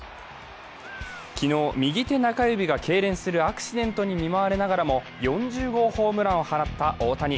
昨日、右手中指がけいれんするアクシデントに見舞われながらも４０号ホームランを放った大谷。